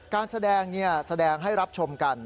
การแสดงแสดงให้รับชมกัน